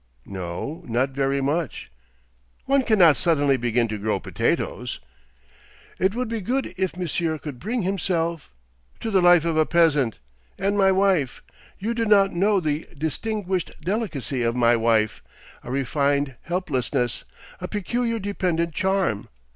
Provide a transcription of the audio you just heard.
'No. Not very much.' 'One cannot suddenly begin to grow potatoes!' 'It would be good if Monsieur could bring himself——' 'To the life of a peasant! And my wife——You do not know the distinguished delicacy of my wife, a refined helplessness, a peculiar dependent charm.